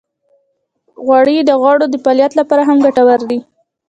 غوړې د غړو د فعالیت لپاره هم ګټورې دي.